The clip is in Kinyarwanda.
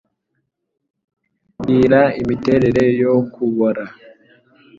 Bwira imiterere yo kubora;